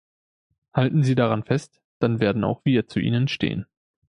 Halten Sie daran fest, dann werden auch wir zu Ihnen stehen.